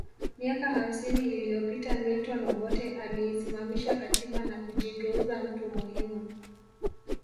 Miaka hamsini iliyopita Milton Obote aliisimamisha katiba na kujigeuza mtu muhimu